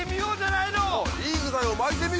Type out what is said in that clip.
いい具材を巻いてみる？